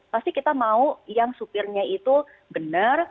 pasti kita mau yang supirnya itu benar